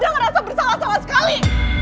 tak ada yang ngerasa bersalah salah sekali